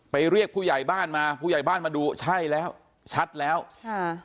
เรียกผู้ใหญ่บ้านมาผู้ใหญ่บ้านมาดูใช่แล้วชัดแล้วค่ะ